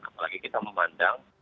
apalagi kita memandang